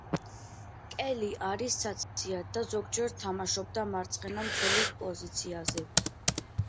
კელი არის ცაცია და ზოგჯერ თამაშობდა მარცხენა მცველის პოზიციაზე.